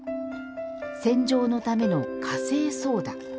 洗浄のためのカセイソーダ。